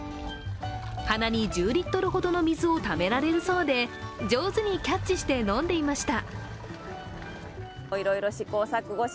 鼻に１０リットルほどの水をためられるそうで、上手にキャッチして飲んでいました。